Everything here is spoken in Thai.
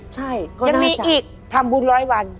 ใช่ก็ยังมีอีกทำบุญร้อยวัน